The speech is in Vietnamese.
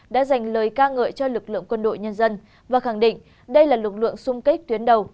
đã dành lời ca ngợi cho lực lượng quân đội nhân dân và khẳng định đây là lực lượng sung kích tuyến đầu